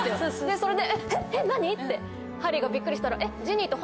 それで「えっ何⁉」ってハリーがびっくりしたら。